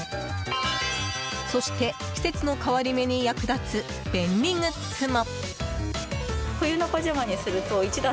そして、季節の変わり目に役立つ便利グッズも！